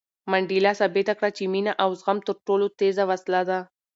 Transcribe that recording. منډېلا ثابته کړه چې مینه او زغم تر ټولو تېزه وسله ده.